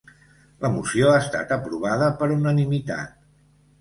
La moció ha estat aprovada per unanimitat.